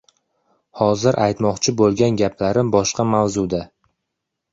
Hozir aytmoqchi boʻlgan gaplarim boshqa mavzuda.